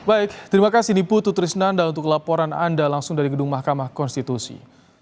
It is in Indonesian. baik terima kasih nipu tutrisnanda untuk laporan anda langsung dari gedung mahkamah konstitusi